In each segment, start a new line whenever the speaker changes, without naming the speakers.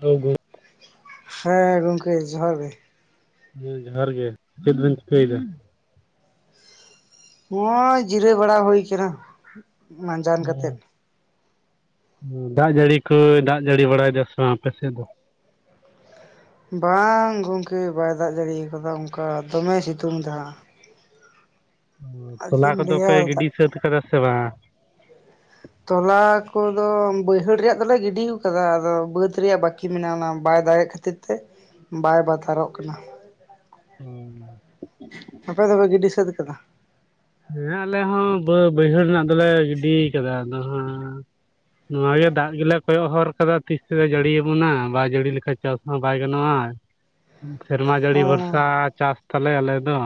ᱦᱚᱭ ᱢᱟᱹᱭ
ᱦᱮᱸ ᱜᱚᱢᱠᱮ ᱡᱚᱦᱟᱨ ᱜᱮ
ᱦᱮᱸ ᱡᱚᱦᱟᱨ ᱜᱮ ᱪᱮᱫ ᱵᱮᱱ ᱪᱤᱠᱟᱹᱭᱮᱫᱟ
ᱱᱚᱜᱚᱭ ᱡᱤᱨᱟᱹᱣ ᱵᱟᱲᱟ ᱦᱩᱭ ᱠᱟᱱᱟ ᱢᱟᱸᱡᱟᱱ ᱠᱟᱛᱮᱜ
ᱫᱟᱜ ᱡᱟᱹᱲᱤ ᱠᱚ ᱫᱟᱜ ᱡᱟᱹᱲᱤ ᱵᱟᱲᱟᱭᱮᱫᱟ ᱥᱮ ᱵᱟᱝ ᱟᱯᱮ ᱥᱮᱫ ᱫᱚ
ᱵᱟᱝ ᱜᱚᱝᱠᱮ ᱵᱟᱭ ᱫᱟᱜ ᱡᱟᱲᱤᱭᱟᱠᱟᱫᱟ ᱚᱱᱠᱟ ᱫᱚᱢᱮ ᱥᱤᱛᱩᱝ ᱮᱫᱟ
ᱛᱚᱞᱟ ᱠᱚᱫᱚ ᱯᱮ ᱜᱤᱰᱤ
ᱫᱟᱜ
ᱥᱟᱹᱛ ᱠᱟᱫᱟ ᱥᱮ ᱵᱟᱝ
ᱛᱚᱞᱟ ᱠᱚᱫᱚ ᱵᱟᱹᱭᱦᱟᱹᱲ ᱨᱮᱭᱟᱜ ᱫᱚᱞᱮ ᱜᱤᱰᱤ ᱟᱠᱟᱫᱟ ᱟᱫᱚ ᱵᱟᱹᱫ ᱨᱮᱭᱟᱜ ᱵᱟᱹᱠᱤ ᱢᱮᱱᱟᱜᱼᱟ ᱵᱟ ᱟᱭ ᱫᱟᱲᱮᱜ ᱠᱷᱟᱹᱛᱤᱨ ᱛᱮ ᱵᱟᱭ ᱵᱟᱛᱟᱨᱚᱜ ᱠᱟᱱᱟ
ᱦᱮᱸ
ᱟᱯᱮ ᱫᱚᱯᱮ ᱜᱤᱰᱤ ᱥᱟᱹᱛ ᱠᱟᱫᱟ
ᱦᱮᱸ ᱟᱞᱮ ᱦᱚᱸ ᱵᱟᱹᱭᱦᱟᱹᱲ ᱨᱮᱱᱟᱜ ᱫᱚᱞᱮ ᱜᱤᱰᱤ ᱠᱟᱫᱟ ᱟᱫᱚ ᱦᱟᱸ ᱱᱚ ᱜᱮ ᱫᱟᱜ ᱜᱮᱞᱮ ᱠᱚᱭᱚᱜ ᱦᱚᱨ ᱟᱫᱚ ᱛᱤᱥ ᱛᱮᱫ ᱡᱟᱹᱲᱤᱭᱟᱵᱚᱱᱟ ᱵᱟᱭ ᱡᱟᱹᱲᱤ ᱞᱮᱠᱷᱟᱱ ᱪᱟᱥ ᱦᱚᱸ ᱵᱟᱭ ᱜᱟᱱᱚᱜᱼᱟ ᱥᱮᱨᱢᱟ ᱡᱟᱹᱲᱤ ᱵᱷᱚᱨᱥᱟ
ᱚᱸ
ᱪᱟᱥ ᱛᱟᱞᱮ ᱟᱞᱮ ᱫᱚ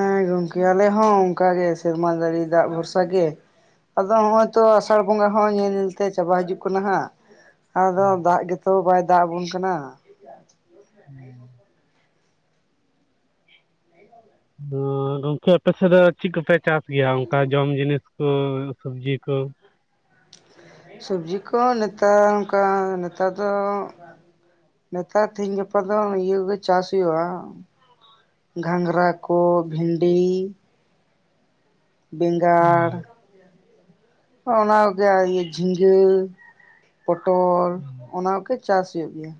ᱦᱮᱸ ᱜᱚᱢᱠᱮ ᱟᱞᱮ ᱦᱚᱸ ᱚᱱᱠᱟᱟᱜᱮ ᱥᱮᱨᱢᱟ ᱡᱟᱹᱲᱤ ᱫᱟᱜ ᱵᱷᱚᱨᱥᱟ ᱜᱮ ᱟᱫᱚ ᱱᱚᱜᱼᱚᱭ ᱛᱚ ᱟᱥᱟᱲ ᱵᱚᱸᱜᱟ ᱦᱚᱸ ᱧᱮᱞ ᱧᱮᱞ ᱛᱮ ᱪᱟᱵᱟ ᱦᱤᱡᱩᱜ ᱠᱟᱱᱟ ᱦᱟᱸᱜ ᱟᱫᱚ ᱫᱟᱜ ᱜᱮᱛᱚ ᱵᱟᱭ ᱫᱟᱜ ᱟᱵᱚᱱ ᱠᱟᱱᱟ
ᱦᱮᱸ ᱢᱟ ᱜᱚᱝᱠᱮ ᱟᱯᱮ ᱥᱮᱫ ᱫᱚ ᱪᱮᱫ ᱠᱚᱯᱮ ᱪᱟᱥ ᱜᱮᱭᱟ ᱚᱱᱠᱟ ᱡᱚᱢ ᱡᱤᱱᱤᱥ ᱠᱚ ᱥᱚᱵᱽᱡᱤ ᱠᱚ
ᱥᱚᱵᱽᱡᱤ ᱠᱚ ᱱᱮᱛᱟᱨ ᱚᱱᱠᱟ ᱱᱮᱛᱟᱨ ᱫᱚ ᱱᱮᱛᱟᱨ ᱛᱮᱦᱤᱧ ᱜᱟᱯᱟ ᱫᱚ ᱤᱭᱟᱹᱜᱮ ᱪᱟᱥ ᱦᱩᱭᱩᱜᱼᱟ ᱜᱷᱟᱸᱝᱨᱟ ᱠᱚ ᱵᱷᱤᱸᱰᱤ ᱵᱮᱸᱜᱟᱲ ᱚᱱᱟ ᱜᱮ ᱡᱷᱤᱸᱜᱟᱹ ᱯᱚᱴᱚᱞ ᱚᱱᱟ ᱠᱟ. ᱡ ᱪᱟᱥ ᱦᱩᱭᱩᱜ ᱜᱮᱭᱟ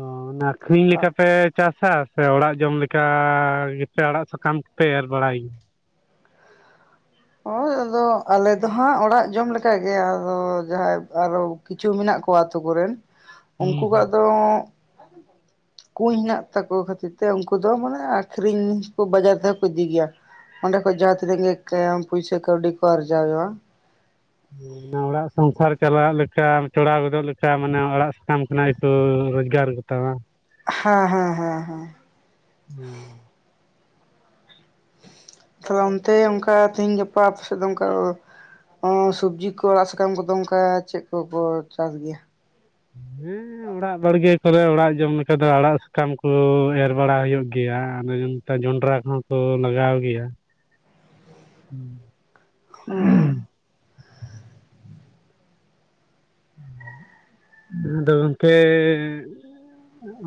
ᱚ ᱚᱱᱟ ᱟᱹᱠᱷᱨᱤᱧ ᱞᱮᱠᱟ ᱯᱮ ᱪᱟᱥᱟ ᱥᱮ ᱚᱲᱟᱜ ᱡᱚᱢ ᱞᱮᱠᱟ ᱜᱮᱯᱮ ᱟᱲᱟᱜ ᱥᱟᱠᱟᱢ ᱠᱚᱯᱮ ᱮᱨ ᱵᱟᱲᱟᱭ ᱜᱮᱭᱟᱹ
ᱦᱳᱭ ᱟᱫᱚ ᱟᱞᱮ ᱫᱚ ᱦᱟᱸᱜ ᱚᱲᱟᱜ ᱡᱚᱢ ᱞᱮᱠᱟᱜ ᱜᱮ ᱟᱫᱚ ᱡᱟᱦᱟᱸᱭ ᱟᱨᱚ ᱠᱤᱪᱷᱩ ᱢᱮᱱᱟᱜ ᱟᱠᱚ ᱟᱛᱳ ᱠᱚᱨᱮᱱ ᱩᱱᱠᱩ
ᱦᱩᱸ
ᱠᱚᱣᱟᱜ
ᱦᱩᱸ
ᱫᱚ ᱠᱩᱧ ᱦᱮᱱᱟᱜ ᱛᱟᱠᱚ ᱠᱷᱟᱹᱛᱤᱨ ᱛᱮ ᱩᱱᱠᱩ ᱫᱚ ᱢᱟᱱᱮ ᱟ. ᱠᱷᱨᱤᱧ ᱠᱚ ᱵᱟᱡᱟᱨ ᱛᱮᱦᱚᱸ ᱠᱚ ᱤᱫᱤ ᱜᱮᱭᱟ ᱚᱸᱰᱮ ᱠᱷᱚᱡ ᱡᱟᱦᱟᱸ ᱛᱤᱱᱟᱹᱜ ᱜᱮ ᱯᱩᱭᱥᱟᱹ ᱠᱟᱹᱣᱰᱤ ᱠᱚ ᱟᱨᱡᱟᱣᱼᱟ
ᱚᱲᱟᱜ ᱥᱚᱝᱥᱟᱨ ᱪᱟᱞᱟᱜ ᱞᱮᱠᱟ ᱪᱚᱲᱟᱣ ᱜᱚᱫᱚᱜ ᱞᱮᱠᱟ ᱢᱟᱱᱮ ᱚᱲᱟᱜ ᱥᱟᱠᱟᱢ ᱠᱷᱚᱱᱟᱜ ᱛᱚᱹ ᱨᱳᱡᱽᱜᱟᱨ ᱜᱮᱛᱟᱣᱟ
ᱦᱮᱸ ᱦᱮᱸ ᱦᱮᱸ ᱦᱮᱸ
ᱦᱮᱸ
ᱛᱟᱦᱞᱮ ᱚᱱᱛᱮ ᱚᱱᱠᱟ ᱛᱮᱦᱤᱧ ᱜᱟᱯᱟ ᱟᱯᱟᱥᱮᱫ ᱫᱚ ᱚᱱᱠᱟ ᱥᱚᱵᱽᱡᱤ ᱠᱚ ᱟᱲᱟᱜ ᱥᱟᱠᱟᱢ ᱠᱚᱫᱚ ᱚᱱᱠᱟ ᱪᱮᱫ ᱠᱚᱠᱚ ᱪᱟᱥ ᱜᱮᱭᱟ
ᱦᱮᱸ ᱚᱲᱟᱜ ᱵᱟᱲᱜᱮ ᱨᱮ ᱚᱲᱟᱜ ᱡᱚᱢ ᱞᱮᱠᱟᱟᱱ ᱫᱚ ᱟᱲᱟᱜ ᱥᱟᱠᱟᱢ ᱠᱚ ᱮᱨ ᱵᱟᱲᱟ ᱦᱩᱭᱩᱜ ᱜᱮᱭᱟ ᱟᱫᱚ ᱡᱚᱸᱰᱨᱟ ᱠᱚᱦᱚᱸ ᱠᱚ ᱞᱟᱜᱟᱣ ᱜᱮᱭᱟ
ᱚ
ᱟᱫᱚ ᱜᱚᱝᱠᱮ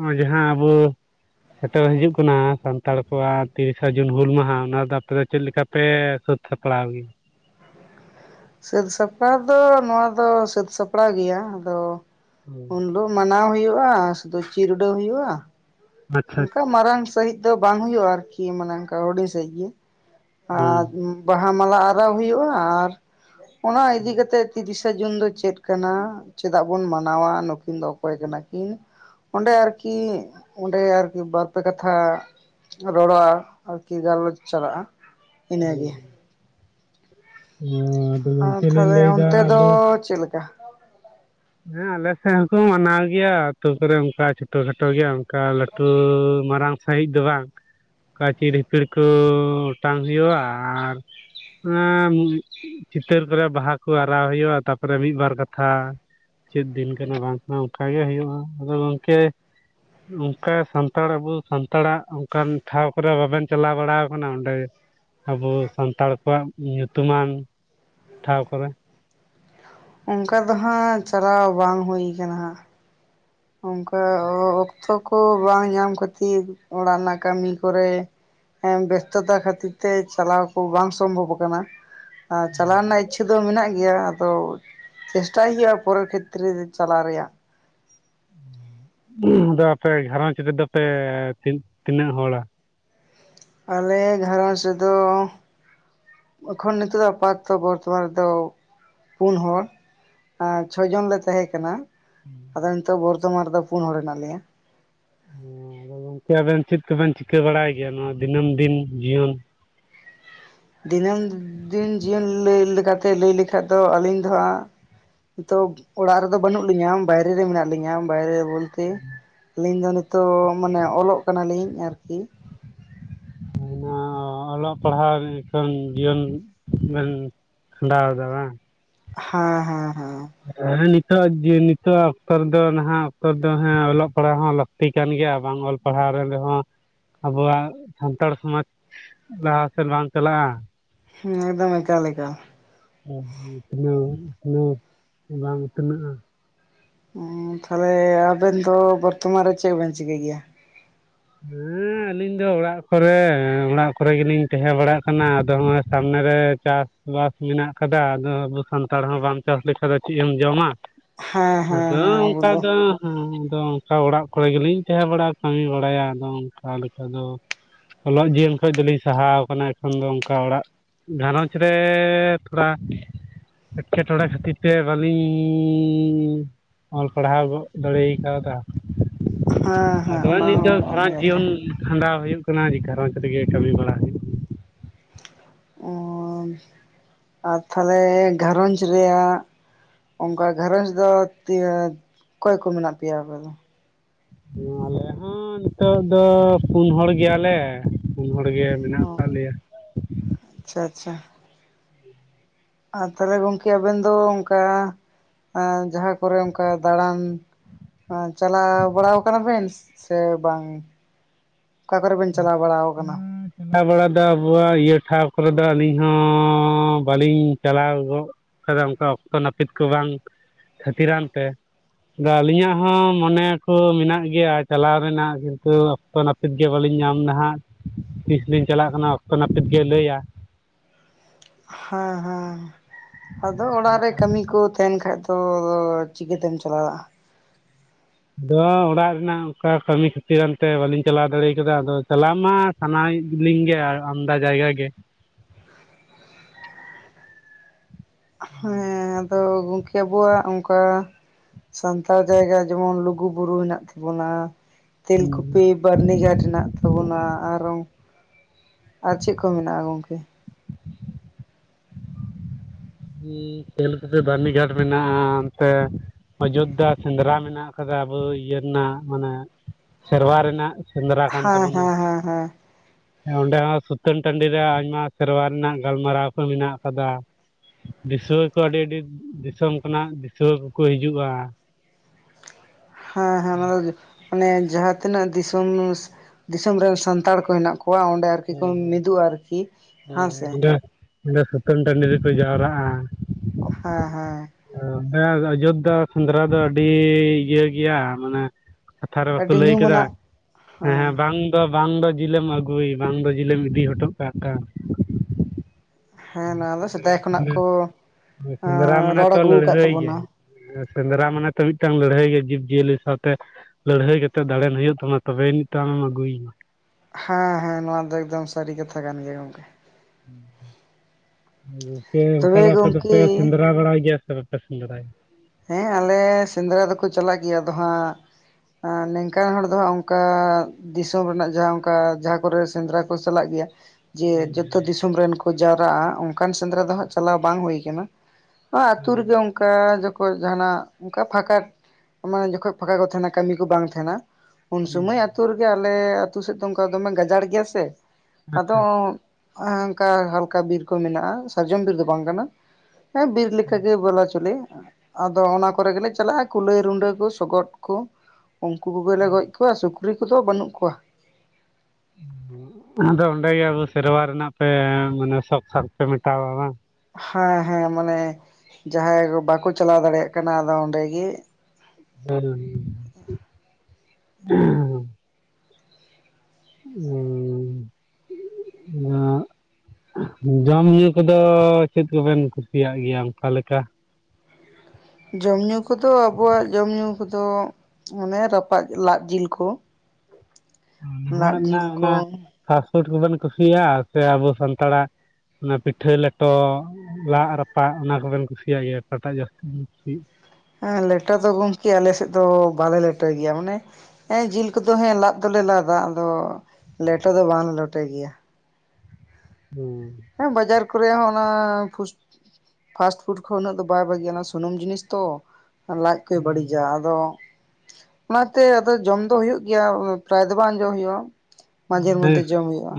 ᱱᱚᱜ ᱡᱟᱦᱟᱸ ᱟᱵᱚ ᱥᱮᱴᱮᱨ ᱦᱤᱡᱩᱜ ᱠᱟᱱᱟ ᱥᱟᱱᱛᱟᱲ ᱠᱚᱣᱟᱜ ᱛᱤᱨᱤᱥᱟ ᱡᱩᱱ ᱦᱩᱞ ᱢᱟᱦᱟ ᱚᱱᱟᱫᱚ ᱟᱯᱮ ᱫᱚ ᱪᱮᱫ ᱞᱮᱠᱟ ᱯᱮ? ᱥᱟ. ᱯᱲᱟᱣ ᱜᱮ
ᱥᱟᱹᱛ ᱥᱟᱯᱲᱟᱣ ᱫᱚ ᱱᱚᱶᱟ ᱫᱚ ᱥᱟᱹᱛ ᱥᱟᱯᱲᱟᱣ ᱜᱮᱭᱟ ᱟᱫᱚ ᱩᱱᱤᱞᱳᱜ ᱢᱟᱱᱟᱣ ᱦᱩᱭᱩᱜᱼᱟ ᱥᱩᱫᱩ ᱪᱤᱨ ᱩᱰᱟᱹᱣ ᱦᱩᱭᱩᱜᱼᱟ
ᱟᱪᱪᱷᱟ
ᱚᱱᱠᱟ ᱢᱟᱨᱟᱝ ᱥᱟᱹᱦᱤᱡ ᱫᱚ ᱵᱟᱝ ᱦᱩᱭᱩᱜᱼᱟ ᱟᱨ ᱠᱤ ᱢᱟᱱᱮ ᱚᱱᱠᱟ ᱦᱩᱰᱤᱧ ᱥᱟᱺᱦᱤᱡ ᱜᱮ ᱟᱨ
ᱦᱩᱸ
ᱵᱟᱦᱟ ᱢᱟᱞᱟ ᱟᱨᱟᱣ ᱦᱩᱭᱩᱜᱼᱟ ᱟᱨ ᱚᱱᱟ ᱤᱫᱤ ᱠᱟᱛᱮᱫ ᱠᱤ ᱫᱤᱥᱟᱹ ᱛᱤᱨᱤᱥ ᱡᱩᱱ ᱫᱚ ᱪᱮᱫ ᱠᱟᱱᱟ ᱪᱮᱫᱟᱜ ᱵᱚᱱ ᱢᱟᱱᱟᱶᱟ? ᱱᱩᱠᱤᱱ ᱫᱚ ᱚᱠᱚᱭ ᱠᱟᱱᱟ ᱠᱤᱱ? ᱚᱸᱰᱮ ᱟᱨᱠᱤ ᱚᱸᱰᱮ ᱟᱨᱠᱤ ᱵᱟᱨ ᱯᱮ ᱠᱟᱛᱷᱟ ᱨᱚᱲᱚᱜᱼᱟ ᱟᱨᱠᱤ ᱜᱟᱞᱚᱪ ᱪᱟᱞᱟᱜᱼᱟ ᱤᱱᱟᱹᱜᱮ
ᱦᱮᱸ ᱚ ᱟᱫᱚ
ᱟᱨ
ᱜᱚᱢᱠᱮ ᱞᱤᱧ
ᱛᱟᱦᱚᱞᱮ
ᱞᱟᱹᱭᱫᱟ
ᱚᱱᱛᱮ ᱫᱚ
ᱟᱵᱚ
ᱪᱮᱫ ᱞᱮᱠᱟ
ᱦᱮᱸ ᱟᱞᱮ ᱥᱮᱫ ᱦᱚᱸᱠᱚ ᱢᱟᱱᱟᱣ ᱜᱮᱭᱟ ᱟᱹᱛᱩ ᱠᱚᱨᱮ ᱚᱱᱠᱟ ᱪᱷᱩᱴᱚ ᱠᱷᱟᱴᱚ ᱜᱮᱭᱟ ᱚᱱᱠᱟ ᱞᱟᱹᱴᱩ ᱢᱟᱨᱟᱝ ᱥᱟᱺᱦᱤᱡ ᱫᱚ ᱵᱟᱝ? ᱠᱟᱹᱪᱤᱨ ᱦᱤᱯᱤᱲ ᱠᱚ ᱚᱴᱟᱝ ᱦᱩᱭᱩᱜᱼᱟ ᱟᱨ ᱮ ᱪᱤᱛᱟᱹᱨ ᱠᱚᱨᱮ ᱵᱟᱦᱟᱠᱩ ᱟᱨᱟᱣ ᱦᱩᱭᱩᱜᱼᱟ ᱛᱟᱯᱚᱨᱮ ᱢᱤᱫᱵᱟᱨ ᱠᱟᱛᱷᱟ ᱪᱮᱫ ᱫᱤᱱ ᱠᱟᱱᱟ ᱵᱟᱝ ᱠᱟᱱᱟ ᱚᱱᱠᱟ ᱜᱮ ᱦᱩᱭᱩᱜᱼᱟ ᱟᱫᱚ ᱜᱚᱢᱠᱮ ᱚᱱᱠᱟ ᱥᱟᱱᱛᱟᱲ ᱟᱵᱚ ᱥᱟᱱᱛᱟᱲᱟᱜ ᱚᱱᱠᱟᱱ ᱴᱷᱟᱶ ᱠᱚᱨᱮ ᱵᱟᱵᱮᱱ ᱪᱟᱞᱟᱣ ᱵᱟᱲᱟ ᱠᱟᱱᱟ ᱚᱸᱰᱮ ᱟᱵᱚ ᱥᱟᱱᱛᱟᱲ ᱠᱚᱣᱟᱜ ᱧᱩᱛᱩᱢᱟᱱ ᱴᱷᱟᱶ ᱠᱚᱨᱮ
ᱚᱱᱠᱟ ᱫᱚ ᱦᱟᱸᱜ ᱪᱟᱞᱟᱣ ᱵᱟᱝ ᱦᱩᱭ ᱠᱟᱱᱟ ᱦᱟᱸᱜ ᱚᱱᱠᱟ ᱚᱠᱛᱚ ᱠᱚ ᱵᱟᱝ ᱧᱟᱢ ᱠᱷᱟᱹᱛᱤᱨ ᱚᱲᱟᱜ ᱨᱮᱱᱟᱜ ᱠᱟᱹᱢᱤ ᱠᱚᱨᱮ ᱦᱸ ᱵᱮᱥᱛᱚᱛᱟ ᱠᱷᱟᱹᱛᱤᱨ ᱛᱮ ᱪᱟᱞᱟᱣ ᱠᱚ ᱵᱟᱝ ᱥᱚᱢᱵᱷᱚᱵ ᱟᱠᱟᱱᱟ ᱟᱨ ᱪᱟᱞᱟᱣ ᱨᱮᱱᱟᱜ ᱤᱪᱪᱷᱟᱹ ᱫᱚ ᱢᱮᱱᱟᱜ ᱜᱮᱭᱟ ᱜᱮᱭᱟ ᱟᱫᱚ ᱪᱮᱥᱴᱟᱭ ᱦᱩᱭᱩᱜᱼᱟ ᱯᱚᱨᱮᱨ ᱠᱷᱮᱛᱨᱮ ᱪᱟᱞᱟᱜ ᱨᱮᱭᱟᱜ
ᱟᱫᱚ ᱟᱯᱮ ᱜᱷᱟᱨᱚᱡᱽ ᱨᱮᱫᱚ ᱯᱮ ᱛᱤᱱᱟᱹᱜ ᱦᱚᱲ- ᱟ
ᱟᱞᱮ ᱜᱷᱟᱨᱚᱸᱡᱽ ᱨᱮᱫᱚ ᱚᱠᱷᱚᱱ ᱱᱤᱛ ᱫᱚᱯᱟᱨ ᱛᱚ ᱵᱚᱨᱛᱚᱢᱟᱱ ᱫᱚᱚ ᱯᱩᱱ ᱦᱚᱲ ᱪᱷᱚ ᱡᱚᱱᱞᱮ ᱛᱟᱦᱮᱸ ᱠᱟᱱᱟ ᱟᱫᱚ ᱱᱤᱛᱚᱜ ᱵᱚᱨᱫᱷᱚᱢᱟᱱ ᱨᱮᱫᱚ ᱯᱩᱱ ᱦᱚᱲ ᱦᱮᱱᱟᱜ ᱞᱮᱭᱟ
ᱟᱫᱚ ᱜᱚᱝᱠᱮ ᱟᱵᱮᱱ ᱪᱮᱫ ᱠᱚᱵᱮᱱ ᱪᱤᱠᱟᱹ ᱵᱟᱲᱟᱭ ᱜᱮᱭᱟ ᱱᱚᱣᱟ ᱫᱤᱱᱟᱹᱢ ᱫᱤᱱ ᱡᱤᱭᱚᱱ
ᱫᱤᱱᱟᱹᱢ ᱫᱤᱱ ᱡᱤᱭᱚᱱᱟᱹᱭ ᱞᱮᱠᱟᱛᱮ ᱞᱟᱹᱭ ᱞᱮᱠᱷᱟᱱ ᱫᱚ ᱟᱹᱞᱤᱧ ᱫᱚ ᱦᱟᱸᱜ ᱱᱤᱛᱚᱜ ᱚᱲᱟᱜ ᱨᱮᱫᱚ ᱵᱟᱹᱱᱩᱜ ᱞᱤᱧᱟ ᱵᱟᱭᱨᱮ ᱨᱮ ᱢᱮᱱᱟᱜ ᱞᱤᱧᱟ ᱵᱟᱭᱨᱮ ᱵᱚᱞᱛᱮ ᱟᱹᱞᱤᱧ ᱫᱚ ᱱᱤᱛᱚᱜ ᱢᱟᱱᱮ ᱚᱞᱚᱜ ᱠᱟᱱᱟᱞᱤᱧ ᱟᱨᱠᱤ
[unintelligible] ᱦ ᱚᱞᱚᱜ ᱯᱟᱲᱦᱟᱜ ᱮᱠᱷ ᱡᱤᱭᱚᱱ ᱵᱮᱱ ᱠᱷᱟᱸᱰᱟᱣ ᱮᱫᱟ ᱵᱟᱝ
ᱦᱮᱸ ᱦᱮᱸ ᱦᱮᱸ
[unintelligible] ᱦ ᱱ ᱱᱤᱛᱚᱜ ᱡᱮ ᱱᱤᱛᱚᱜ ᱚᱠᱛᱚ ᱨᱮᱫᱚ ᱱᱟᱦᱟᱜ ᱚᱠᱛᱚ ᱫᱚ ᱦᱮᱸ ᱚᱞᱚᱜ ᱯᱟᱲᱦᱟᱣ ᱦᱚᱸ ᱞᱟᱹᱠᱛᱤ ᱠᱟᱱ ᱜᱮᱭᱟ ᱵᱟᱝ ᱚᱞ ᱯᱟᱲᱦᱟᱣ ᱨᱮᱦᱚᱸ ᱟᱵᱚᱣᱟᱜ ᱥᱟᱱᱛᱟᱲ ᱥᱚᱢᱟᱡᱽ ᱞᱟᱦᱟ ᱥᱮᱫ ᱵᱟᱝ ᱪᱟᱞᱟᱜᱼᱟ
ᱦᱮᱸ ᱮᱠᱫᱚᱢᱠᱟᱞᱮᱠᱟᱞ
ᱟᱨ ᱩᱛᱱᱟᱹᱣ ᱩᱛᱱᱟᱹᱣ ᱵᱟᱝ ᱩᱛᱱᱟᱹᱜᱼᱟ
ᱛᱟᱦᱞᱮ ᱟᱵᱮᱱ ᱫᱚ ᱵᱚᱨᱛᱷᱚᱢᱟᱱ ᱨᱮ ᱪᱮᱫ ᱵᱮᱱ ᱪᱤᱠᱟᱹᱭ ᱜᱮᱭᱟ
ᱦᱮᱸ ᱟᱹᱞᱤᱧ ᱫᱚ ᱚᱲᱟᱜ ᱠᱚᱨᱮ ᱚᱲᱟᱜ ᱠᱚᱨᱮ ᱜᱮᱞᱤᱧ ᱛᱟᱦᱮᱸ ᱵᱟᱲᱟᱜ ᱠᱟᱱᱟ ᱟᱫᱚ ᱦᱚᱸᱜᱼᱚᱭ ᱥᱟᱢᱱᱮ ᱨᱮ ᱪᱟᱥ ᱵᱟᱥ ᱢᱮᱱᱟᱜ ᱟᱠᱟᱫᱟ ᱟᱫᱚ ᱟᱵᱚ ᱥᱟᱱᱛᱟᱲ ᱦᱚᱸ ᱵᱟᱢ ᱪᱟᱥ ᱞᱮᱠᱷᱟᱱ ᱫᱚ ᱪᱮᱫ ᱮᱢ ᱡᱚᱢᱟ
ᱦᱮᱸ ᱦᱮᱸ
ᱟᱫᱚ
ᱦᱮᱸ ᱟᱵᱚ
ᱚᱱᱠᱟ ᱫᱚ ᱟᱫᱚ ᱚᱱᱠᱟ ᱚᱲᱟᱜ ᱠᱚᱨᱮ ᱜᱮᱞᱤᱧ ᱛᱟᱦᱮᱸ ᱵᱟᱲᱟᱜᱼᱟ ᱠᱟᱹᱢᱤ ᱵᱟᱲᱟᱭᱟ ᱟᱫᱚ ᱚᱱᱠᱟ ᱞᱮᱠᱟ ᱫᱚ ᱚᱞᱚᱜ ᱡᱤᱭᱚᱱ ᱠᱷᱚᱱ ᱫᱚᱞᱤᱧ ᱥᱟᱦᱟᱣ ᱟᱠᱟᱱᱟ ᱮᱠᱷᱚᱱ ᱫᱚ ᱚᱱᱠᱟ ᱚᱲᱟᱜ ᱜᱷᱟᱨᱚᱸᱡᱽ ᱨᱮ ᱛᱷᱚᱲᱟ ᱮᱴᱠᱮᱴᱚᱬᱮ ᱠᱷᱟᱹᱛᱤᱨ ᱛᱮ ᱵᱟᱝ ᱞᱤᱧ ᱚᱞ ᱯᱟᱲᱦᱟᱣ ᱫᱟᱲᱮ ᱠᱟᱣᱫᱟ
ᱦᱮᱸ ᱦᱮᱸ ᱚᱱᱟ ᱦᱚᱸ
ᱜᱷᱟᱨᱚᱸᱧᱡᱽ
ᱜᱮᱛᱚ
ᱡᱤᱭᱚᱱ ᱠᱷᱟᱸᱰᱟᱣ ᱦᱩᱭᱩᱜ ᱠᱟᱱᱟ ᱜᱷᱟᱨᱚᱸᱧᱡᱽ ᱨᱮᱜᱮ ᱠᱟᱹᱢᱤ ᱵᱟᱲᱟ ᱦᱩᱭᱩᱜ ᱠᱟᱱᱟ
ᱚ ᱟᱨ ᱛᱟᱦᱞᱮ ᱜᱷᱟᱷᱟᱨᱚᱡᱽ ᱨᱮᱭᱟᱜ ᱚᱱᱠᱟ ᱜᱷᱟᱨᱚᱸᱡᱽ ᱫᱚ ᱛᱤ ᱚᱠᱚᱭ ᱠᱚ ᱢᱮᱱᱟᱜ ᱯᱮᱭᱟ ᱟᱯᱮ ᱫᱚ
ᱟᱞᱮ ᱦᱚᱸ ᱱᱤᱛᱳ ᱫᱚ ᱯᱩᱱ ᱦᱚᱲ ᱜᱮᱭᱟᱞᱮ ᱯᱩᱱ ᱦᱚᱲ ᱟᱞᱮ ᱜᱮ ᱢᱮᱱᱟᱜ
ᱚ
ᱠᱟᱜ ᱞᱮᱭᱟ
ᱟᱪᱪᱷᱟ ᱟᱪᱪᱷᱟ ᱟᱨ ᱛᱟᱦᱞᱮ ᱜᱚᱢᱠᱮ ᱟᱵᱮᱱ ᱫᱚ ᱚᱱᱠᱟ ᱮ ᱡᱟᱦᱟᱸ ᱠᱚᱨᱮᱜ ᱚᱱᱠᱟ ᱫᱟᱬᱟᱱ ᱪᱟᱞᱟᱣ ᱵᱟᱲᱟ ᱠᱟᱱᱟ ᱵᱮᱱ ᱥᱮ ᱵᱟᱝ ᱚᱠᱟ ᱠᱚᱨᱮ ᱵᱮᱱ ᱪᱟᱞᱟᱣ ᱵᱟᱲᱟ ᱟᱠᱟᱱᱟ
ᱠᱟᱛᱷᱟ ᱵᱟᱲᱟ ᱫᱚ ᱟᱵᱚᱣᱟᱜ ᱤᱭᱟᱹ ᱴᱷᱟᱶ ᱠᱚᱨᱮ ᱫᱚ ᱟᱹᱞᱤᱧ ᱦᱚᱸᱚᱸ ᱦᱚᱸ ᱵᱟᱹᱞᱤᱧ ᱪᱟᱞᱟᱣ ᱜᱚᱫ ᱠᱟᱫᱟ ᱚᱱᱠᱟ ᱚᱠᱛᱚ ᱱᱟᱹᱯᱤᱛ ᱠᱚ ᱵᱟᱝ ᱠᱷᱟᱹᱛᱤᱨᱟᱱ ᱛᱮ ᱟᱹᱞᱤᱧᱟᱜ ᱦᱚᱸ ᱢᱚᱱᱮ ᱠᱚ ᱢᱮᱱᱟᱜ ᱜᱮᱭᱟ ᱪᱟᱞᱟᱣ ᱨᱮᱱᱟᱜ ᱠᱤᱱᱛᱩ ᱚᱠᱛᱚ ᱱᱟᱹᱯᱤᱛ ᱜᱮ ᱵᱟᱹᱞᱤᱧ ᱧᱟᱢ ᱱᱟᱦᱟᱸᱜ ᱛᱤᱥ ᱞᱤᱧ ᱪᱟᱞᱟᱜ ᱠᱟᱱᱟ ᱚᱠᱛᱚ ᱱᱟᱹᱯᱤᱛ ᱜᱮ ᱞᱟᱹᱭᱟ
ᱦᱮᱸ ᱦᱮᱸ ᱟᱫᱚ ᱚᱲᱟᱜ ᱨᱮ
ᱟᱫᱚ
ᱠᱟᱹᱢᱤ ᱠᱚ ᱛᱟᱦᱮᱱ ᱠᱷᱟᱡ ᱫᱚ ᱛᱚ ᱪᱤᱠᱟᱹᱛᱮᱢ ᱪᱟᱞᱟᱼᱟ
ᱟᱫᱚ ᱚᱲᱟᱜ ᱨᱮᱱᱟᱜ ᱚᱱᱠᱟ ᱠᱟᱹᱢᱤ ᱠᱷᱟᱹᱛᱤᱨ ᱟᱱᱛᱮ ᱵᱟᱹᱞᱤᱧ ᱪᱟᱞᱟᱣ ᱫᱟᱲᱮ ᱠᱟᱫᱟ ᱟᱫᱚ ᱪᱟᱞᱟᱜ ᱢᱟ ᱥᱟᱱᱟᱭ ᱞᱤᱜᱮ ᱟᱢᱫᱟ ᱡᱟᱭᱜᱟ ᱜᱮ
ᱦᱮᱸ ᱟᱫᱚ ᱜᱚᱢᱠᱮ ᱟᱵᱚᱣᱟᱜ ᱚᱱᱠᱟ᱾ ᱥᱟᱱᱛᱟᱲ ᱡᱟᱭᱜᱟ ᱡᱮᱢᱚᱱ ᱞᱩᱜᱩᱼᱵᱩᱨᱩ ᱢᱮᱱᱟᱜ ᱛᱟᱵᱚᱱᱟ᱾ ᱛᱮᱞᱠᱩᱯᱤ ᱵᱟᱹᱨᱱᱤ ᱜᱷᱟᱴ ᱦᱮᱱᱟᱜ ᱛᱟᱵᱚᱱᱟ ᱟᱨᱚ ᱟᱨ ᱪᱮᱫ ᱠᱚ ᱢᱮᱱᱟᱜᱼᱟ ᱜᱚᱢᱠᱮ?
ᱩᱸ ᱛᱮᱞᱠᱩᱞᱯᱤ ᱵᱟᱹᱨᱱᱤᱜᱷᱟᱴ ᱢᱮᱱᱟᱜᱼᱟ ᱚᱱᱛᱮ ᱚᱡᱳᱫᱽᱫᱷᱟ ᱥᱮᱸᱫᱽᱨᱟ ᱢᱮᱱᱟᱜ ᱟᱠᱟᱫᱟ᱾ ᱟᱵᱚ ᱤᱭᱟᱹ ᱨᱮᱱᱟᱜ ᱢᱟᱱᱮ ᱥᱮᱨᱣᱟ ᱨᱮᱱᱟᱜ᱾ ᱥᱮᱸᱫᱽᱨᱟ ᱠᱟᱱ
ᱦᱮᱸ
ᱛᱟᱵᱚᱱᱟ᱾
ᱦᱮᱸ ᱦᱮᱸ ᱦᱮᱸ
ᱚᱸᱰᱮ ᱦᱚᱸ ᱥᱩᱛᱟᱹᱱ ᱴᱟᱺᱰᱤ ᱨᱮ ᱟᱭᱢᱟ ᱥᱮᱨᱣᱟ ᱨᱮᱱᱟᱜ ᱜᱟᱞᱢᱟᱨᱟᱣ ᱠᱚ ᱢᱮᱱᱟᱜ ᱟᱠᱟᱫᱟ᱾ ᱫᱤᱥᱣᱟᱹ ᱠᱚ ᱟᱹᱰᱤ-ᱟᱹᱰᱤ ᱫᱤᱥᱚᱢ ᱠᱷᱚᱱᱟᱜ ᱫᱤᱥᱣᱟᱹ ᱠᱚᱠᱚ ᱦᱤᱡᱩᱜᱼᱟ᱾
ᱦᱮᱸ ᱦᱮᱸ [unintelligible] ᱢᱟᱱᱮ ᱡᱟᱦᱟᱸ ᱛᱤᱱᱟᱹᱜ ᱫᱤᱥᱚᱢ ᱫᱤᱥᱚᱢ ᱨᱮᱱ ᱥᱟᱱᱛᱟᱲ ᱠᱚ ᱦᱮᱱᱟᱜ ᱠᱚ ᱠᱚᱣᱟ ᱚᱸᱰᱮ ᱟᱨᱠᱤ ᱠᱚ ᱢᱤᱫᱚᱜᱼᱟ ᱟᱨᱠᱤ ᱦᱮᱸ ᱥᱮ
ᱚᱸᱰᱮ ᱚᱸᱰᱮ ᱥᱩᱛᱟᱹᱱ ᱴᱟᱺᱰᱤ ᱨᱮᱠᱚ ᱡᱟᱣᱨᱟᱜᱼᱟ᱾
ᱦᱮᱸ ᱦᱮᱸ
ᱚᱡᱳᱫᱽᱫᱷᱟ ᱥᱮᱸᱫᱽᱨᱟ ᱫᱚ ᱟᱹᱰᱤ ᱤᱭᱟᱹ ᱜᱮᱭᱟ ᱢᱟᱱᱮ ᱠᱟᱛᱷᱟ ᱨᱮ ᱵᱟᱠᱚ
ᱟᱹᱰᱤ
ᱞᱟᱹᱭ ᱠᱮᱫᱟ
ᱧᱩᱢᱟᱱᱟᱜ
ᱦᱮᱸ ᱵᱟᱝ ᱫᱚ ᱵᱟᱝ ᱫᱚ ᱡᱤᱞᱮᱢ ᱟᱹᱜᱩᱭ ᱵᱟᱝ ᱫᱚ ᱡᱤᱞᱮᱢ ᱤᱫᱤ ᱦᱚᱴᱚ ᱠᱟᱜ ᱠᱟᱱ᱾
ᱦᱮᱸ ᱱᱚᱣᱟ ᱫᱚ ᱥᱮᱫᱟᱭ
ᱨᱟ
ᱠᱷᱚᱱᱟᱜ ᱠᱚ
[unintelligible] ᱥᱮᱸᱫᱽᱨᱟ ᱢᱟᱱᱮ
ᱨᱚᱲ
ᱛᱚ
ᱟᱹᱜᱩ ᱟᱠᱟᱫ
ᱞᱟᱹᱲᱦᱟᱹᱭ ᱜᱮ
ᱛᱟᱵᱚᱱᱟ
ᱮ᱾ ᱥᱮᱸᱫᱽᱨᱟ ᱢᱟᱱᱮ ᱛᱚ ᱢᱤᱫᱴᱟᱝ ᱞᱟᱹᱲᱦᱟᱹᱭ ᱜᱮ ᱡᱤᱵᱽ ᱡᱤᱭᱟᱹᱞᱤ ᱥᱟᱶᱛᱮ ᱞᱟᱹᱲᱦᱟᱹᱭ ᱠᱟᱛᱮ ᱫᱟᱬᱮᱱ ᱦᱩᱭᱩᱜ ᱛᱟᱢᱟ ᱛᱚᱵᱮᱭᱟᱱᱤᱡ ᱛᱚ᱾ ᱦᱚᱸ ᱟᱹᱜᱩᱭᱮᱢᱟ᱾
ᱦᱮᱸ ᱦᱮᱸ ᱱᱚᱣᱟ ᱫᱚ ᱮᱠᱫᱚᱢ ᱥᱟᱹᱨᱤ ᱠᱟᱛᱷᱟ ᱠᱟᱱ ᱜᱮᱭᱟ ᱜᱚᱝᱠᱮ᱾
ᱮ ᱚᱠᱮ ᱚᱱᱠᱟ ᱫᱚ
ᱛᱚᱵᱮ
ᱟᱯᱮ ᱫᱚᱯᱮ
ᱜᱚᱢᱠᱮ
ᱥᱮᱸᱫᱽᱨᱟ ᱵᱟᱲᱟᱭ ᱜᱮᱭᱟ᱾ ᱥᱮ ᱵᱟᱯᱮ ᱥᱮᱸᱫᱽᱨᱟᱭᱟ᱾
ᱦᱮᱸ ᱟᱞᱮ ᱥᱮᱸᱫᱽᱨᱟ ᱫᱚᱠᱚ ᱪᱟᱞᱟᱜ ᱜᱮᱭᱟ ᱟᱫᱚ ᱦᱟᱸᱜ᱾ ᱱᱝᱠᱟᱱ ᱦᱚᱲ ᱫᱚ ᱦᱟᱸᱜ ᱚᱱᱠᱟ ᱫᱤᱥᱚᱢ ᱨᱮᱱᱟᱜ ᱡᱟᱦᱟᱸ ᱚᱱᱠᱟ ᱡᱟᱦᱟᱸ ᱠᱚᱨᱮᱜ ᱥᱮᱸᱫᱽᱨᱟ ᱠᱚ ᱪᱟᱞᱟᱜ ᱜᱮᱭᱟ᱾ ᱡᱮ
ᱦᱩᱸ
ᱡᱚᱛᱚ ᱫᱤᱥᱚᱢ ᱨᱮᱱ ᱠᱚ ᱡᱟᱣᱨᱟᱜᱼᱟ ᱚᱱᱠᱟᱱ ᱥᱮᱸᱫᱽᱨᱟ ᱫᱚ ᱦᱟᱸᱜ ᱪᱟᱞᱟᱣ ᱵᱟᱝ ᱦᱩᱭ ᱠᱟᱱᱟ᱾ ᱮ ᱟᱛᱩ
ᱦᱩᱸ
ᱨᱮᱜᱮ ᱚᱱᱠᱟ ᱡ ᱛᱟᱯᱚᱨ ᱡᱟᱦᱟᱱᱟᱜ ᱚᱱᱠᱟ ᱯᱷᱟᱸᱠᱟ ᱚᱱᱟ ᱡᱚᱠᱷᱚᱱ ᱯᱷᱟᱸᱠᱟ ᱠᱚ ᱛᱟᱦᱮᱱᱟ ᱠᱟᱹᱢᱤ ᱠᱚ ᱵᱟᱝ ᱛᱟᱦᱮᱱᱟ᱾ ᱩᱱ
ᱦᱩᱸ
ᱥᱩᱚᱢᱚᱭ ᱟᱹᱛᱩ ᱨᱮᱜᱮ ᱟᱞᱮ ᱟᱹᱛᱩ ᱥᱮᱫ ᱫᱚ ᱚᱱᱠᱟ ᱫᱚᱢᱮ ᱜᱟᱡᱟᱲ ᱜᱮᱭᱟ ᱥᱮ ᱟᱫᱚ᱾
ᱟᱪᱪᱷᱟ ᱟᱪᱪᱷᱟ
ᱚᱱᱠᱟ ᱦᱟᱞᱠᱟ ᱵᱤᱨ ᱠᱚ ᱢᱮᱱᱟᱜᱼᱟ ᱥᱟᱨᱡᱚᱢ ᱵᱤᱨ ᱫᱚ ᱵᱟᱝ ᱠᱟᱱᱟ᱾ ᱦᱮᱸ ᱵᱤᱨ ᱞᱮᱠᱟ
ᱦᱩᱸ
ᱜᱮ ᱵᱚᱞᱟ ᱪᱚᱞᱮ᱾ ᱟᱫᱚ ᱚᱱᱟ ᱠᱚᱨᱮ ᱜᱮᱞᱮ ᱪᱟᱞᱟᱜᱼᱟ ᱠᱩᱞᱟᱹᱭ ᱨᱩᱰᱟᱹ ᱠᱚ ᱥᱚᱜᱚᱫ ᱠᱚ ᱩᱱᱠᱩ ᱠᱚᱜᱮ ᱞᱮ ᱜᱚᱡᱽ ᱠᱚᱣᱟ ᱥᱩᱠᱨᱤ ᱠᱚᱫᱚ ᱵᱟᱹᱱᱩᱜ ᱠᱚᱣᱟ᱾
ᱟᱫᱚ ᱚᱸᱰᱮ ᱜᱮ ᱟᱵᱚ ᱥᱮᱨᱣᱟ ᱨᱮᱱᱟᱜ ᱯᱮ ᱢᱟᱱᱮ ᱥᱚᱠ [unintelligible] ᱯᱮ ᱢᱮᱴᱟᱣᱟ ᱵᱟᱝ?
ᱦᱮᱸ ᱦᱮᱸ ᱢᱟᱱᱮ ᱡᱟᱦᱟᱸᱭ ᱵᱟᱠᱚ ᱪᱟᱞᱟᱣ ᱫᱟᱲᱮᱭᱟᱜ ᱠᱟᱱᱟ ᱟᱫᱚ ᱚᱸᱰᱮ ᱜᱮ
ᱦᱮᱸ [inaudible] ᱦ [inaudible] ᱚᱱᱟ ᱡᱚᱢᱧᱩ ᱠᱚᱫᱚ ᱪᱮᱫ ᱠᱚᱵᱮᱱ ᱠᱩᱥᱤᱭᱟᱜ ᱜᱮᱭᱟ ᱚᱱᱠᱟ ᱞᱮᱠᱟ
ᱡᱚᱢ ᱧᱩ ᱠᱚᱫᱚ ᱟᱵᱚᱣᱟᱜ ᱡᱚᱢ ᱧᱩ ᱠᱚᱫᱚ ᱢᱟᱱᱮ ᱨᱟᱯᱟᱜ ᱞᱟᱫ ᱡᱤᱞ ᱠᱚ ᱞᱟᱫ ᱡᱤᱞ ᱠᱚ
[unintelligible] ᱳᱴ ᱠᱚᱵᱚᱱ ᱠᱩᱥᱤᱭᱟᱜ-ᱟ ᱥᱮ ᱟᱵᱚ ᱥᱟᱱᱛᱟᱲᱟᱜ ᱚᱱᱟ ᱯᱤᱴᱷᱟᱹ ᱞᱮᱴᱚ ᱞᱟᱜ ᱨᱟᱯᱟᱜ ᱚᱱᱟ ᱠᱚᱵᱮᱱ ᱠᱩᱥᱤᱭᱟᱜ ᱜᱮᱭᱟ ᱚᱠᱟᱴᱟᱜ ᱡᱟᱹᱥᱛᱤ ᱫᱚ ᱠᱩᱥᱤᱭᱟᱜ-ᱟ
ᱦᱮᱸ ᱞᱮᱴᱚ ᱫᱚ ᱜᱚᱢᱠᱮ ᱟᱞᱮ ᱥᱮᱫ ᱫᱚ ᱵᱟᱞᱮ ᱞᱮᱴᱚ ᱜᱮᱭᱟ ᱢᱟᱱᱮ ᱡᱤᱞ ᱠᱚᱫᱚ ᱦᱮ ᱞᱟᱫ ᱫᱚᱞᱮ ᱞᱟ ᱫᱟᱜ ᱫᱚ ᱞᱮᱴᱚ ᱫᱚ ᱵᱟᱝ ᱞᱮᱴᱚᱭ ᱜᱮᱭᱟ ᱦᱮᱸ ᱵᱟᱡᱟᱨ ᱠᱚ [unintelligible] ᱦᱚᱸ ᱚᱱᱟ ᱯᱷᱟᱥᱴ ᱯᱷᱩᱰ ᱠᱚ ᱩᱱᱟᱹᱜ ᱫᱚ ᱵᱟᱭ ᱵᱷᱟᱹᱜᱤᱭᱟ ᱚᱱᱟ ᱥᱩᱱᱩᱢ ᱡᱤᱱᱤᱥ ᱛᱚ ᱞᱟᱡ ᱠᱚᱭ ᱵᱟᱹᱲᱤᱡᱟ ᱟᱫᱚ ᱚᱱᱟᱛᱮ ᱟᱫᱚ ᱡᱚᱢ ᱫᱚ ᱦᱩᱭᱩᱜ ᱜᱮᱭᱟ ᱯᱨᱟᱭ ᱫᱚ ᱵᱟᱝ ᱡᱚᱢ ᱦᱩᱭᱩᱜᱼᱟ ᱢᱟᱡᱷᱮᱨ ᱢᱚᱫᱽᱫᱷᱮ ᱡᱚᱢ ᱦᱩᱭᱩᱜᱼᱟ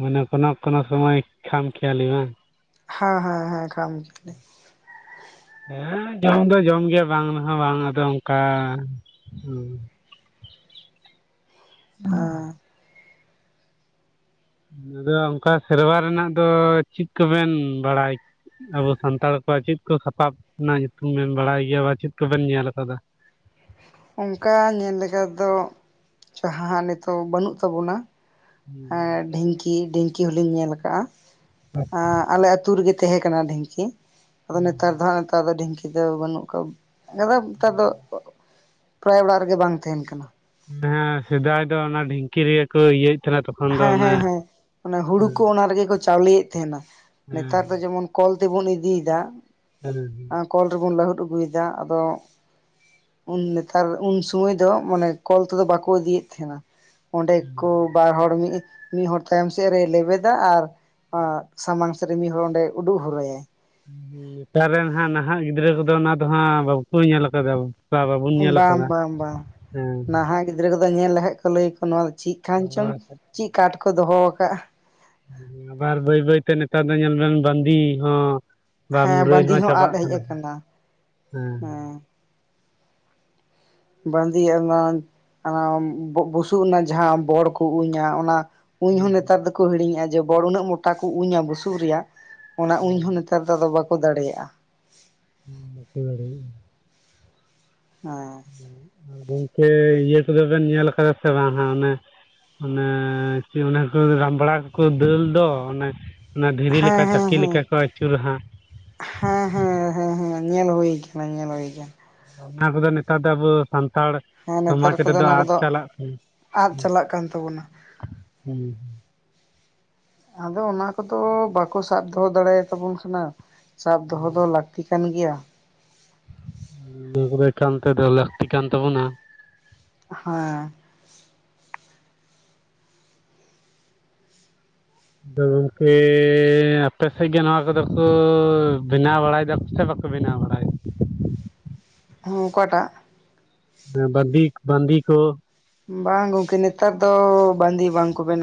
ᱢᱟᱱᱮ ᱠᱚᱱᱳ ᱠᱚᱱᱳ ᱥᱚᱢᱚᱭ ᱠᱷᱟᱢ ᱠᱷᱭᱟᱞᱤ ᱵᱟᱝ
ᱦᱮᱸ ᱦᱮᱸ ᱦᱮᱸ ᱠᱷᱟᱢ ᱜᱮ
ᱦᱮᱸ ᱡᱚᱢ ᱫᱚ ᱡᱚᱢ ᱜᱮᱭᱟ ᱵᱟᱝ ᱨᱮᱦᱚᱸ ᱵᱟᱝ ᱟᱫᱚ ᱚᱱᱠᱟ ᱦᱚᱸ [inaudible]
ᱟᱨ
ᱟᱫᱚ ᱚᱱᱠᱟ ᱥᱮᱨᱣᱟ ᱨᱮᱱᱟᱜ ᱫᱚ ᱪᱮᱫ ᱠᱚᱵᱮᱱ ᱵᱟᱲᱟᱭ ᱟᱵᱚ ᱥᱟᱱᱛᱟᱲ ᱠᱚᱣᱟᱜ ᱪᱮᱫ ᱠᱚ ᱥᱟᱯᱟᱵ ᱨᱮᱱᱟᱜ ᱧᱩᱛᱩᱢ ᱵᱮᱱ ᱵᱟᱲᱟᱭ ᱜᱮᱭᱟ ᱵᱟ ᱪᱮᱫ ᱠᱚᱵᱮᱱ ᱧᱮᱞ ᱠᱟᱫᱟ [unintelligible]
ᱚᱱᱠᱟ ᱧᱮᱞ ᱞᱮᱠᱟᱫᱚ ᱡᱟᱦᱟᱸ ᱱᱤᱛᱚᱜ ᱵᱟᱹᱱᱩᱜ ᱛᱟᱵᱚᱱᱟ
[inaudible]
ᱤ ᱰᱷᱤᱝᱠᱤ ᱦᱚᱞᱤᱧ ᱧᱮᱞ ᱟᱠᱟᱜᱼᱟ ᱟᱞᱮ ᱟᱛᱳ ᱨᱮᱜᱮ ᱛᱟᱦᱮᱸ ᱠᱟᱱᱟ ᱰᱷᱤᱝᱠᱤ ᱟᱫᱚ ᱱᱮᱛᱟᱨ ᱫᱚ ᱦᱟᱸᱜ ᱱᱮᱛᱟᱨ ᱫᱚ ᱰᱷᱤᱝᱠᱤ ᱫᱚ ᱵᱟᱹᱱᱩᱜ ᱠᱟᱜᱼᱟ ᱱᱮᱛᱟᱨ ᱫᱚ ᱯᱨᱟᱭ ᱚᱲᱟᱜ ᱨᱮᱜᱮ ᱵᱟᱝ ᱛᱟᱦᱮᱱ ᱠᱟᱱᱟ
ᱦᱮᱸ ᱥᱮᱫᱟᱭ ᱫᱚ ᱚᱱᱟ ᱰᱷᱤᱝᱠᱤ ᱨᱮᱜᱮ ᱠᱚ ᱤᱭᱟᱹᱟᱹᱜ
ᱦᱮᱸ ᱦᱮᱸ ᱦᱮᱸ ᱦᱩᱲᱩ
ᱦᱮᱸ
ᱠᱚ ᱚᱱᱟ ᱨᱮᱜᱮ ᱠᱚ ᱪᱟᱣᱞᱮᱭᱮᱫ ᱛᱟᱦᱮᱸᱱᱟ
ᱦᱮᱸ
ᱱᱮᱛᱟᱨ ᱫᱚ ᱡᱮᱢᱚᱱ ᱠᱚᱞ ᱛᱮᱵᱚᱱ ᱤᱫᱤᱭᱮᱫᱟ ᱠᱚᱞ ᱨᱮᱵᱚᱱ ᱞᱟᱹᱦᱩᱫ ᱟᱹᱜᱩᱭᱮᱫᱟ ᱟᱫᱚ ᱩᱱ ᱱᱮᱛᱟᱨ ᱩᱱ ᱥᱚᱢᱚᱭ ᱫᱚ ᱢᱟᱱᱮ ᱠᱚᱞ ᱛᱮᱫᱚ ᱵᱟᱠᱚ ᱤᱫᱤᱭᱮᱫ ᱛᱟᱦᱮᱱᱟ ᱚᱸᱰᱮ
ᱦᱮᱸ
ᱠᱚ
ᱦᱮᱸ
ᱵᱟᱨ ᱦᱚᱲ ᱢᱤᱫ ᱢᱤᱫ ᱦᱚᱲ ᱛᱟᱭᱚᱢ ᱥᱮᱫ ᱨᱮ ᱞᱮᱵᱮᱫᱟ ᱟᱨ ᱟᱨ ᱥᱟᱢᱟᱝ ᱥᱮᱫ ᱨᱮ ᱢᱤᱫ ᱦᱚᱲ ᱚᱸᱰᱮ ᱩᱰᱩᱜ ᱦᱚᱨᱟᱹᱭ-ᱟᱭ᱾
ᱱᱮᱛᱟᱨ ᱨᱮᱱ ᱦᱟᱸᱜ ᱱᱟᱦᱟᱜ ᱜᱤᱫᱽᱨᱟᱹ ᱠᱚᱫᱚ ᱚᱱᱟ ᱫᱚ ᱦᱟᱸᱜ ᱵᱟᱠᱚ ᱧᱮᱞ ᱠᱟᱫᱟ᱾
ᱵᱟᱝ ᱵᱟᱝ ᱵᱟᱝ ᱱᱟᱦᱟᱜ ᱜᱤᱫᱽᱨᱟᱹ ᱠᱚᱫᱚ ᱧᱮᱞ ᱞᱮᱠᱷ ᱠᱷᱟᱡ ᱠᱚ ᱞᱟᱹᱭ ᱟᱠᱚ ᱱᱚᱣᱟ ᱫᱚ ᱪᱤᱫ ᱠᱟᱱ ᱪᱚᱝ ᱪᱤᱫ ᱠᱟᱴ ᱠᱚ ᱫᱚᱦᱚ ᱟᱠᱟᱜᱼᱟ᱾
ᱟᱵᱟᱨ ᱵᱟᱹᱭ ᱵᱟᱹᱭᱛᱮ ᱱᱮᱛᱟᱨ ᱫᱚ ᱧᱮᱞ ᱵᱮᱱ ᱵᱟᱸᱫᱤ ᱦᱚᱸᱼᱼ ᱵᱟ
ᱦᱮᱸ
ᱢᱩᱨᱟᱹᱭ
ᱵᱟᱸᱫᱤ
ᱦᱚᱸ
ᱟᱫ
ᱪᱟᱵᱟᱜ
ᱦᱮᱡ
ᱠᱟᱱᱟ ᱦᱮᱸ᱾
ᱟᱠᱟᱱᱟ ᱵᱟᱸᱫᱮ ᱮᱢᱟᱱ ᱚᱱᱟ ᱵᱩᱥᱩᱵ ᱨᱮᱱᱟᱜ ᱡᱟᱦᱟᱸ ᱵᱚᱲ ᱠᱚ ᱩᱧᱟ ᱚᱱᱟ᱾ ᱩᱧ ᱦᱚᱸ
ᱦᱮᱸ ᱦᱮᱸ
ᱱᱮᱛᱟᱨ ᱫᱚᱠᱚ ᱦᱤᱲᱤᱧᱮᱜᱼᱟ ᱡᱮ ᱵᱚᱲ ᱩᱱᱟᱹᱜ ᱢᱚᱴᱟ ᱠᱚ ᱩᱧᱟ ᱵᱩᱥᱩᱵ ᱨᱮᱭᱟᱜ᱾ ᱚᱱᱟ ᱩᱧ
ᱦᱮᱸ
ᱦᱚᱸ ᱱᱮᱛᱟᱨ ᱫᱚ ᱟᱫᱚ ᱵᱟᱠᱚ ᱫᱟᱲᱮᱭᱟᱜᱼᱟ᱾
[unintelligible] ᱜᱚᱝᱠᱮ ᱤᱭᱟᱹ ᱠᱚᱫᱚ ᱵᱮᱱ ᱧᱮᱞ ᱠᱟᱫᱟ ᱥᱮ ᱵᱟᱝ ᱦᱟᱸᱜ ᱚᱱᱮ ᱚᱱᱟ ᱪᱮᱫ ᱨᱮᱱᱟᱜ ᱠᱚ ᱨᱟᱢᱵᱲᱟᱠᱚ ᱫᱟᱹᱞ ᱫᱚ ᱚᱱᱟ᱾ ᱚᱱᱟ ᱫᱷᱤᱨᱤ
ᱦᱮᱸ
ᱞᱮᱠᱟ
ᱦᱮᱸ
ᱪᱟᱠᱤ
ᱦᱮᱸ
ᱞᱮᱠᱟ ᱠᱚ ᱟᱹᱪᱩᱨᱟᱦᱟᱸᱜ᱾
ᱤᱧᱮᱞ ᱦᱩᱭ ᱠᱟᱱᱟ ᱧᱮᱞ ᱦᱩᱭ ᱟᱠᱟᱱᱟ᱾
ᱚᱱᱟ ᱠᱚᱫᱚ ᱱᱮᱛᱟᱨ ᱫᱚ ᱟᱵᱚ ᱥᱟᱱᱛᱟᱲ
ᱦᱮᱸ ᱱᱮᱛᱟᱨ
ᱥᱚᱢᱟᱡᱽ
ᱠᱚᱫᱚ
ᱨᱮᱫᱚ
ᱚᱱᱟ
ᱟᱫ
ᱠᱚᱫᱚ
ᱪᱟᱞᱟᱜ ᱠᱟᱱᱟ᱾
ᱟᱫ ᱪᱟᱞᱟᱜ ᱠᱟᱱ ᱛᱟᱵᱳᱱᱟ
ᱦᱩᱸ [inaudible]
ᱟᱫᱚ ᱚᱱᱟ ᱠᱚᱫᱚ ᱵᱟᱠᱚ ᱥᱟᱵ ᱫᱚᱦᱚ ᱫᱟᱲᱮᱭᱟᱛᱟᱵᱚᱱ ᱠᱟᱱᱟ ᱥᱟᱵ ᱫᱚᱦᱚ ᱫᱚ ᱞᱟᱹᱠᱛᱤ ᱠᱟᱱ ᱜᱮᱭᱟ
ᱤᱹ ᱠᱚ [unintelligible] ᱛᱚ ᱵᱚᱱᱟ
ᱦᱮᱸ
ᱟᱫᱚ ᱜᱚᱝᱠᱮ ᱟᱯᱮ ᱥᱮᱫ ᱜᱮ ᱱᱚᱣᱟ ᱠᱚᱫᱚ ᱠᱚ ᱵᱮᱱᱟᱣ ᱵᱟᱲᱟᱭ ᱫᱟ ᱠᱚ ᱥᱮ ᱵᱟ ᱠᱚ ᱵᱮᱱᱟ ᱵᱟᱲᱟᱭ ᱫᱟ
ᱦᱚᱸ ᱚᱠᱟᱴᱟᱜ
ᱵᱟᱺᱫᱤ ᱵᱟᱺᱫᱤ ᱠᱚ
ᱵᱟᱝ ᱜᱚᱝᱠᱮ ᱱᱮᱛᱟᱨ ᱫᱚ ᱵᱟᱸᱫᱮ ᱵᱟᱝᱠᱚ ᱵᱮᱱᱟ